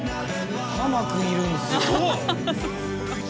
ハマ君がいるんですよ。